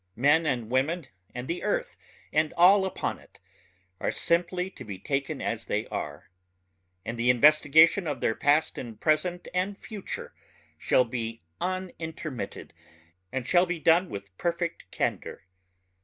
Men and women and the earth and all upon it are simply to be taken as they are, and the investigation of their past and present and future shall be unintermitted and shall be done with perfect candor.